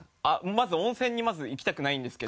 まず温泉に行きたくないんですけど。